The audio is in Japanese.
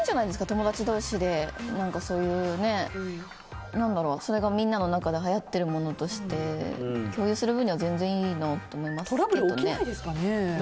友達同士でそれがみんなの中ではやってるものとして共有する分には全然いいなとトラブル起きないですかね。